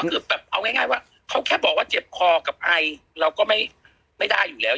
คือแบบเอาง่ายว่าเขาแค่บอกว่าเจ็บคอกับไอเราก็ไม่ได้อยู่แล้ว